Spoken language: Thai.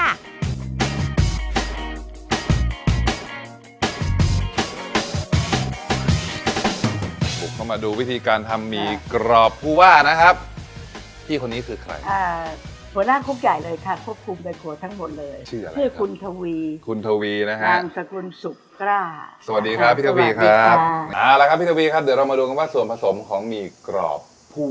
นี่ค่ะทอดหมี่กรอบ